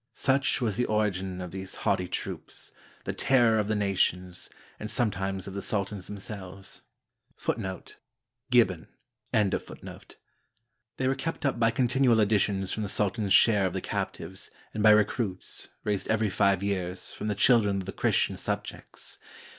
Such was the origin of these haughty troops, the terror of the nations, and sometimes of the sultans them selves." ^ They were kept up by continual additions from the sultan's share of the captives, and by recruits, raised every five years, from the children of the Chris tian subjects.